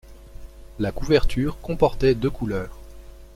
La couverture comportait deux couleurs.